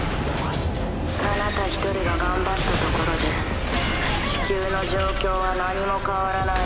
あなた一人が頑張ったところで地球の状況は何も変わらない。